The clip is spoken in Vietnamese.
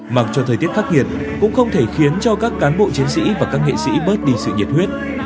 mặc cho thời tiết khắc nghiệt cũng không thể khiến cho các cán bộ chiến sĩ và các nghệ sĩ bớt đi sự nhiệt huyết